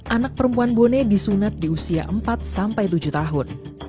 anak perempuan bone disunat di usia empat sampai tujuh tahun